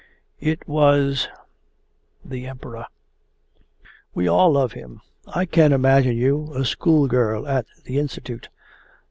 It was the Emperor.' 'We all love him. I can imagine you, a schoolgirl at the Institute...